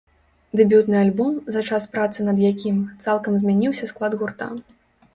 Дэбютны альбом, за час працы над якім, цалкам змяніўся склад гурта.